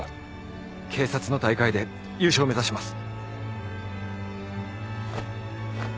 警察の大会で優勝を目指します。